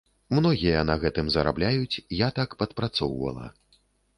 Многія на гэтым зарабляюць, я так падпрацоўвала.